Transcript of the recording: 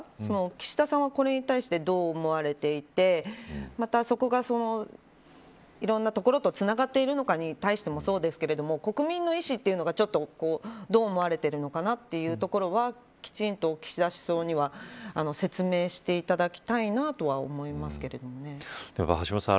岸田さんはこれに対してどう思われていてまた、そこがいろんなところとつながっているのかに対してもそうですけれども国民の意思というのがどう思われているのかなというところはきちんと岸田首相には説明していただきたいな橋下さん